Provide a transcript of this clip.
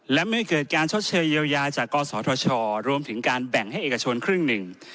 และไม่เกิดการชดเชยเยียวยาจากกศธชรวมถึงการแบ่งให้เอกชนครึ่งหนึ่ง